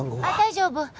あっ大丈夫。